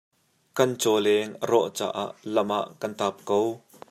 Kan cawleng a rawh caah lam ah kan tap ko.